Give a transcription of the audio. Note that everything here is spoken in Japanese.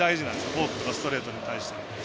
フォークとかストレートに対しては。